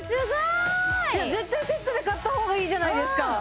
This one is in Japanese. じゃあ絶対セットで買った方がいいじゃないですか！